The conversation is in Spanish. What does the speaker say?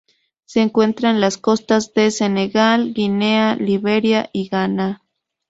Se encuentran en las costas de Senegal, Guinea, Liberia y Ghana.